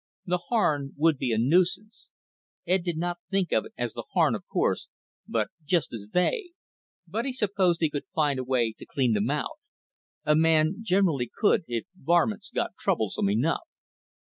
The Harn would be a nuisance Ed did not think of it as the Harn, of course, but just as "they" but he supposed he could find a way to clean them out. A man generally could, if varmints got troublesome enough.